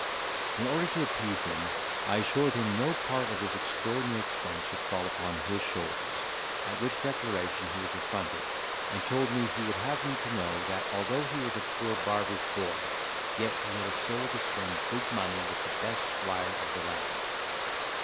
In order to appease him, I assured him no part of this extraordinary expense should fall upon his shoulders; at which declaration he was affronted, and told me he would have me to know that, although he was a poor barber's boy, yet he had a soul to spend big money with the best squire of the land.